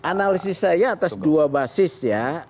analisis saya atas dua basis ya